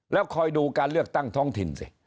แล้วคอยดูการเลือกตั้งท้องถิ่นสิ